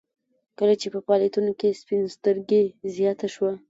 کله چې په فعاليتونو کې سپين سترګي زياته شوه.